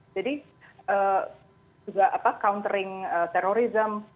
jadi juga countering terrorism